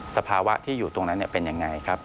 สภาวะที่อยู่ตรงนั้นเป็นยังไงครับ